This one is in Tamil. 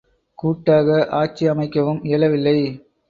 கூட்டாக ஆட்சி அமைக்கவும் இயலவில்லை.